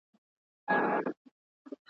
هغه تل د ښه خلکو په صفتونو خبري کوي.